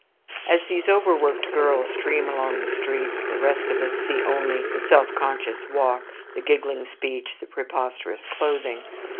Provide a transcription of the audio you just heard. As these overworked girls stream along the street, the rest of us see only the self conscious walk, the giggling speech, the preposterous clothing.